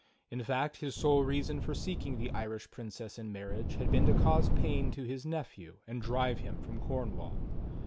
In fact his sole reason for seeking the Irish Princess in marriage had been to cause pain to his nephew and drive him from Cornwall.